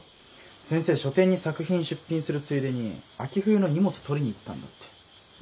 先生書展に作品出品するついでに秋冬の荷物取りに行ったんだって。